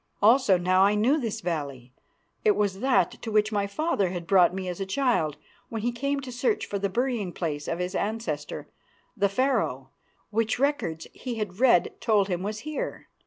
Also now I knew this valley. It was that to which my father had brought me as a child when he came to search for the burying place of his ancestor, the Pharaoh, which records he had read told him was here.